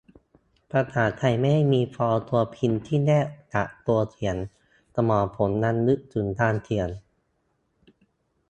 ภาษาไทยไม่ได้มีฟอร์มตัวพิมพ์ที่แยกจากตัวเขียน สมองผมยังนึกถึงการเขียน